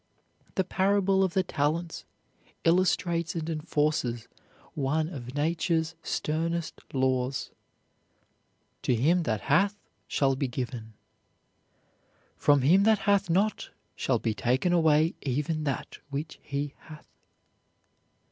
The parable of the talents illustrates and enforces one of nature's sternest laws: "To him that hath shall be given; from him that hath not shall be taken away even that which he hath."